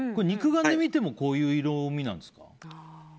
肉眼で見てもこういう色味なんですか？